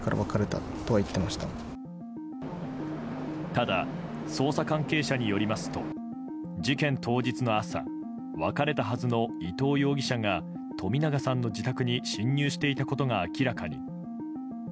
ただ、捜査関係者によりますと事件当日の朝別れたはずの伊藤容疑者が冨永さんの自宅に侵入していたことが明らかに。